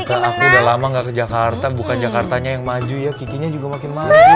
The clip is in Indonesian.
aku udah lama gak ke jakarta bukan jakartanya yang maju ya kikinya juga makin maju